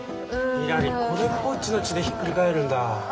ひらりこれっぽっちの血でひっくり返るんだ。